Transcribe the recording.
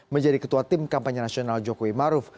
menjadi ketua tim kampanye nasional jokowi maruf